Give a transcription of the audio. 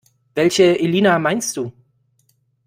Welche Elina meinst du?